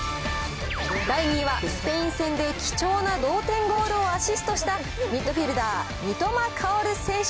第２位は、スペイン戦で貴重な同点ゴールをアシストした、ミッドフィールダー、三笘薫選手。